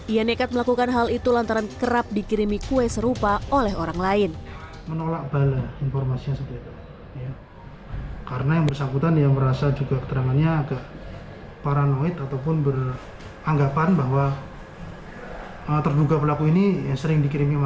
ia nekat melakukan hal itu lantaran kerap dikirimi kue serupa oleh orang lain